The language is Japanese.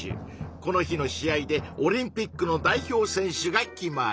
この日の試合でオリンピックの代表選手が決まる。